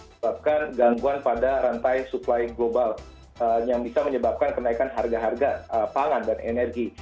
menyebabkan gangguan pada rantai suplai global yang bisa menyebabkan kenaikan harga harga pangan dan energi